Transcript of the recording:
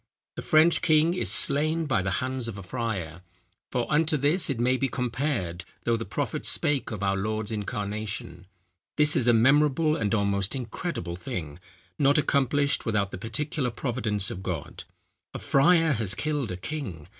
The French king is slain by the hands of a friar. For unto this it may be compared, though the prophet spake of our Lord's incarnation. This is a memorable and almost incredible thing, not accomplished without the particular providence of God. A friar has killed a king.